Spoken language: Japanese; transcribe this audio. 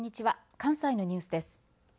関西のニュースです。